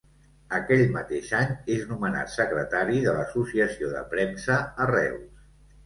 Aquell mateix any és nomenat secretari de l'Associació de Premsa a Reus.